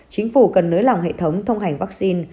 chính phủ cần nới lỏng hệ thống thông hành vaccine